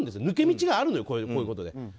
抜け道があるのよこういうことで。